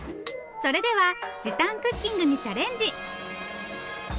それでは時短クッキングにチャレンジ！